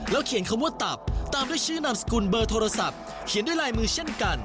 เขียนคำว่าตับตามด้วยชื่อนามสกุลเบอร์โทรศัพท์เขียนด้วยลายมือเช่นกัน